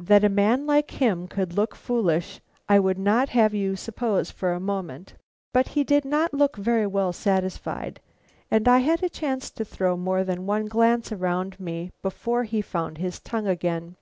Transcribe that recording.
That a man like him could look foolish I would not have you for a moment suppose. But he did not look very well satisfied, and I had a chance to throw more than one glance around me before he found his tongue again.